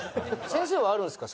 先生はあるんですか？